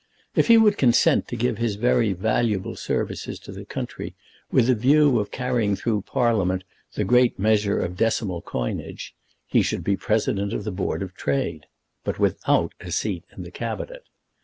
If he would consent to give his very valuable services to the country with the view of carrying through Parliament the great measure of decimal coinage he should be President of the Board of Trade, but without a seat in the Cabinet.